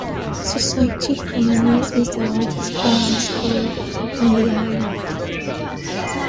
Society Primary is the oldest primary school on the island.